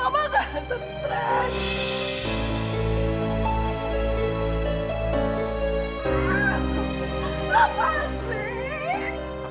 apa mama saya harus terus dikasih penenang dong